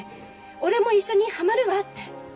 俺も一緒にハマるわって。